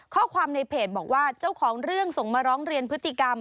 ข้อความในเพจบอกว่าเจ้าของเรื่องส่งมาร้องเรียนพฤติกรรม